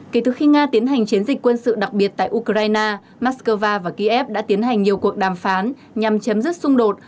kể từ khi nga tiến hành chiến dịch quân sự đặc biệt tại ukraine moscow và kiev đã tiến hành nhiều cuộc đàm phán nhằm chấm dứt xung đột